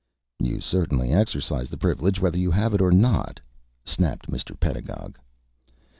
"You certainly exercise the privilege whether you have it or not," snapped Mr. Pedagog.